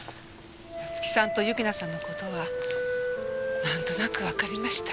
五月さんと由樹奈さんの事はなんとなくわかりました。